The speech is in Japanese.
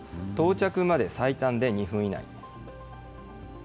到着まで最短で２分以内。